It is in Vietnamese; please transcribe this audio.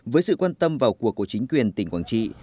với sự quan tâm vào cuộc của chính quyền tỉnh quảng trị